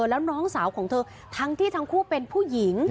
แล้วน้องสาวของเธอทั้งที่ทั้งคู่เป็นผู้หญิง